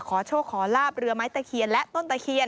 ขอโชคขอลาบเรือไม้ตะเคียนและต้นตะเคียน